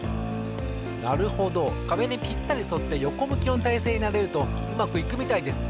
なるほどかべにぴったりそってよこむきのたいせいになれるとうまくいくみたいです。